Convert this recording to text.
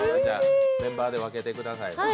メンバーで分けてください。